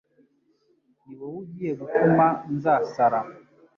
Ni wowe ugiye gutuma nzasara